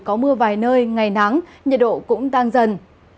có mưa vài nơi ngày nắng nhiệt độ cũng tăng dần